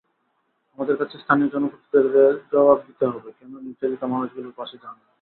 আমাদের কাছে স্থানীয় জনপ্রতিনিধিদের জবাব দিতে হবে, কেন নির্যাতিত মানুষগুলোর পাশে যাননি।